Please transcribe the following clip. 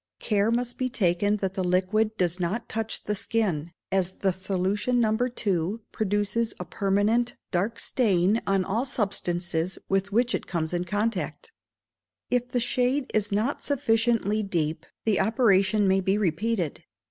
Care must be taken that the liquid does not touch the skin, as the solution No. ii. produces a permanent dark stain on all substances with which it comes in contact. If the shade is not sufficiently deep, the operation may be repeated.